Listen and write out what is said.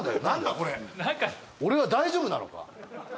何か俺は大丈夫なのか？